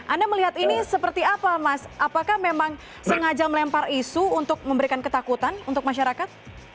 anda melihat ini seperti apa mas apakah memang sengaja melempar isu untuk memberikan ketakutan untuk masyarakat